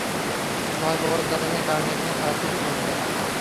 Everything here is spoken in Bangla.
ভয় পাবার দরকার নেই, কারণ এখানে খারাপ কিছুই ঘটবে না।